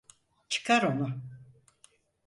Çıkar onu!